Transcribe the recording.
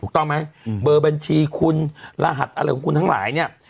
ถูกต้องไหมเบอร์บัญชีคุณรหัสอะไรของคุณทั้งหลายเนี่ย